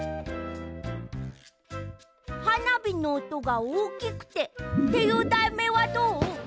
「はなびのおとがおおきくて」っていうだいめいはどう？